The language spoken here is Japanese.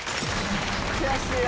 悔しいな！